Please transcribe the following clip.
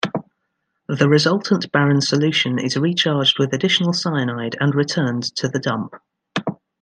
The resultant barren solution is recharged with additional cyanide and returned to the dump.